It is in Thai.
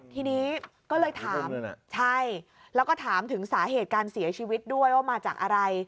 ทีนี้ก็เลยถามใช่แล้วก็ถามถึงสาเหตุการเสียชีวิตด้วยว่ามาจากอะไร